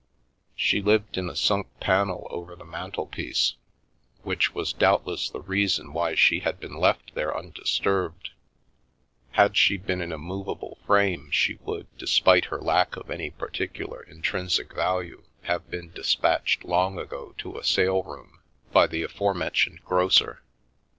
She lived in a sunk panel over the mantel piece, which _/r— The Milky Way was doubtless the reason why she had been left there undisturbed ; had she been in a movable frame she would, despite her lack of any particular intrinsic value, have been despatched long ago to a sale room by the afore mentioned grocer.